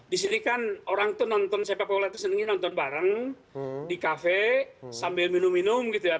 di sini kan orang itu nonton sepak bola itu senangnya nonton bareng di kafe sambil minum minum gitu ya